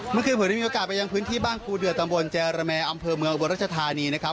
เมื่อคืนผมได้มีโอกาสไปยังพื้นที่บ้านกูเดือตำบลแจรแมอำเภอเมืองอุบลรัชธานีนะครับ